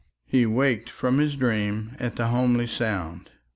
He waked from his dream at the homely sound.